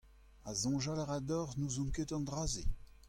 Ha soñjal a ra deoc'h n'ouzon ket an dra-se ?